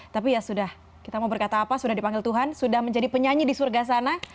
tapi ya sudah kita mau berkata apa sudah dipanggil tuhan sudah menjadi penyanyi di surga sana